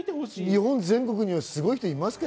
日本全国にはすごい人がいますか？